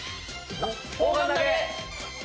砲丸投げ！